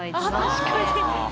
確かに。